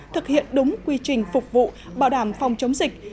thực hiện đúng quy trình phục vụ bảo đảm phòng chống dịch